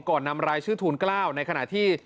นำรายชื่อทูล๙ในขณะที่